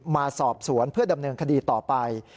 มาสอบสวนเพื่อดำเนินคดีต่อไป